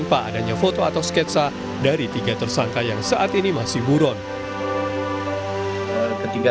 karena penerbitan status dpo oleh vina